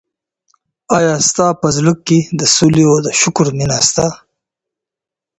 ایا ستا په زړه کي د سولي او شکر مینه سته؟